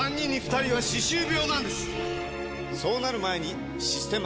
そうなる前に「システマ」！